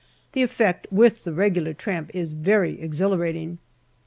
The effect, with the regular tramp, is very exhilarating.